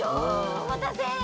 おまたせ。